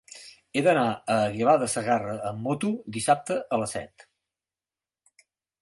He d'anar a Aguilar de Segarra amb moto dissabte a les set.